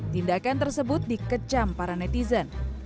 tindakan tersebut dikecam para netizen